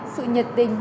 sự nhiệt tình